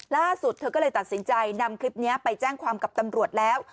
ล่าสุดเธอก็เลยตัดสินใจนำคลิปนี้ไปแจ้งความกับตำรวจแล้ว